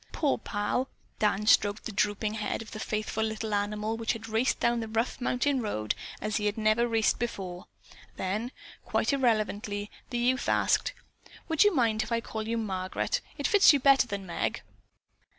"Poor Pal!" Dan stroked the drooping head of the faithful little animal which had raced down the rough mountain road as he had never raced before. Then, quite irrelevantly, the youth asked: "Would you mind if I call you Margaret? It fits you better than Meg."